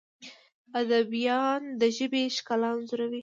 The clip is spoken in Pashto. ادیبان د ژبې ښکلا انځوروي.